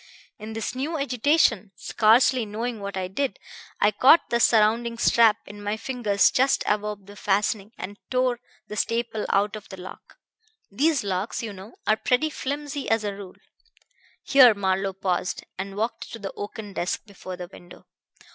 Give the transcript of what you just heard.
In this new agitation, scarcely knowing what I did, I caught the surrounding strap in my fingers just above the fastening and tore the staple out of the lock. These locks, you know, are pretty flimsy as a rule." Here Marlowe paused and walked to the oaken desk before the window.